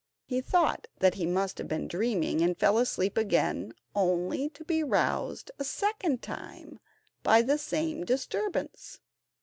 He thought that he must have been dreaming, and fell asleep again, only to be roused a second time by the same disturbance.